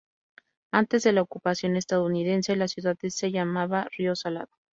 Antes de la ocupación estadounidense, la ciudad se llamaba Río Salado.